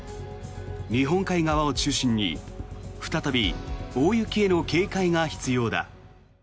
日本海側を中心に再び大雪への警戒が必要だ。